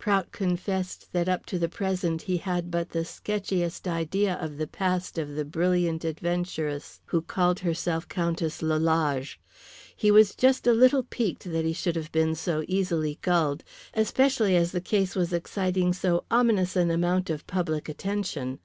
Prout confessed that up to the present he had but the sketchiest idea of the past of the brilliant adventuress who called herself Countess Lalage. He was just a little piqued that he should have been so easily gulled, especially as the case was exciting so ominous an amount of public attention.